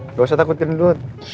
nggak usah takutin dulu